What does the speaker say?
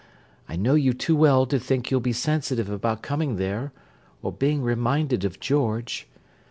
I know you too well to think you'll be sensitive about coming there, or being reminded of George.